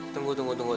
tunggu tunggu tunggu